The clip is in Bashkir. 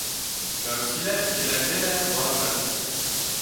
Мәүсилә икеләнде лә баҙнат итте: